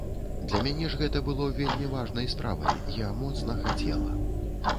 Для мяне ж гэта было вельмі важнай справай, я моцна хацела.